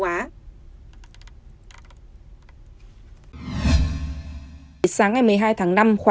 hà nam có tên ở hạng mục điểm đến văn hóa địa phương hàng đầu châu á